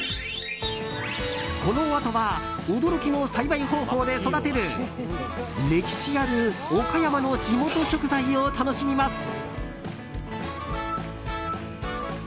このあとは驚きの栽培方法で育てる歴史ある岡山の地元食材を楽しみます。